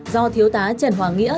do thiếu tá trần hoàng nghĩa